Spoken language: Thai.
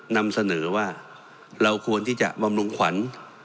นำเสนอว่าเราควรที่จะบำรุงขวัญ